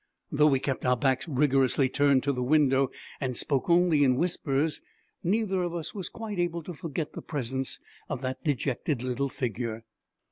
Though we kept our backs rigorously turned to the window, and spoke only in whispers, neither of us was quite able to forget the presence of that dejected little figure.